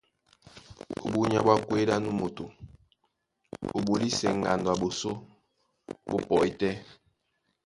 Búnyá ɓwá kwédí á nú moto ó ɓolisɛ ŋgando a ɓosó ɓó pɔí tɛ́,